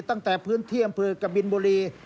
ตั้งแต่พื้นที่อำเภอกบินบุรี